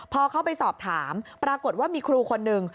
พอเข้าไปสอบถามปรากฏว่ามีครูคนหนึ่ง